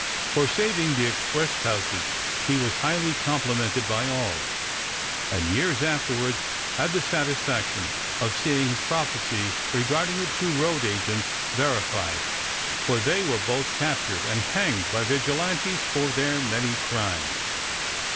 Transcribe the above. For saving the express pouches he was highly complimented by all, and years afterward had the satisfaction of seeing his prophecy regarding the two road agents verified, for they were both captured and hanged by vigilantes for their many crimes.